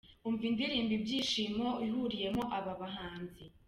Umva indirimbo ’Ibishyimbo’ ihuriyemo aba bahanzi.